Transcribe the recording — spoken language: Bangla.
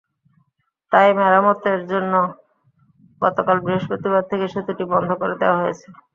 তাই মেরামতের জন্য গতকাল বৃহস্পতিবার থেকে সেতুটি বন্ধ করে দেওয়া হয়েছে।